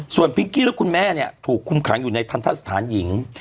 ส่วนพิงกี้และคุณแม่เนี่ยถูกคุมขังอยู่ในทันทะสถานหญิง